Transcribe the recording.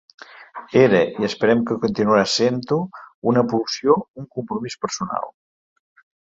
Era –i esperem que continuarà sent-ho- una pulsió, un compromís personal.